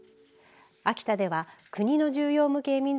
秋田では国の重要無形民俗